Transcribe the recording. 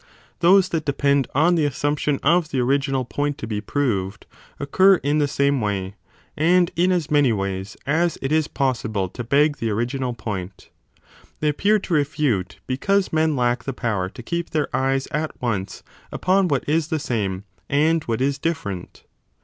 Those that depend on the assumption of the original point to be proved, occur in the same way, and in as many ways, as it is possible to beg the original point ; they appear to refute because men lack the power to keep their eyes at once upon what is the same and what is different.